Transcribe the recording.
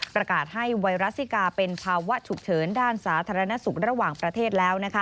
ประกาศให้ไวรัสซิกาเป็นภาวะฉุกเฉินด้านสาธารณสุขระหว่างประเทศแล้ว